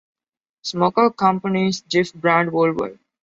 Smucker Company's Jif brand worldwide.